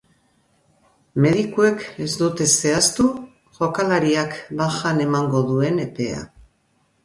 Medikuek ez dute zehaztu jokalariak bajan emango duen epea.